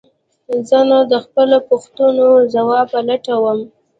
زه نو د خپلو پوښتنو د ځواب په لټه وم.